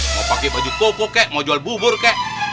mau pake baju kopo kek mau jual bubur kek